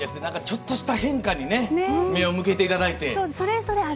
ちょっとした変化にね目を向けていただいて。